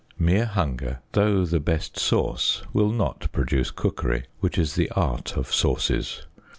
Mere hunger, though the best sauce, will not produce cookery, which is the art of sauces.